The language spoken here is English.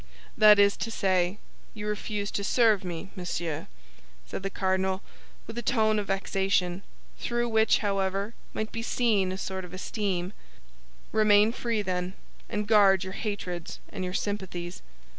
"That is to say, you refuse to serve me, monsieur," said the cardinal, with a tone of vexation, through which, however, might be seen a sort of esteem; "remain free, then, and guard your hatreds and your sympathies."